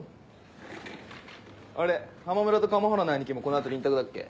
あれ浜村と加茂原の兄貴もこの後臨宅だっけ？